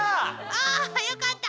あよかった！